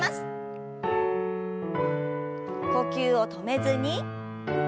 呼吸を止めずに。